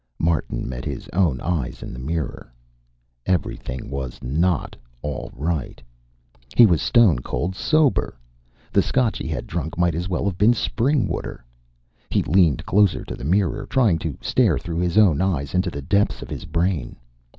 Martin met his own eyes in the mirror. Everything was not all right. He was stone cold sober. The Scotch he had drunk might as well have been spring water. He leaned closer to the mirror, trying to stare through his own eyes into the depths of his brain.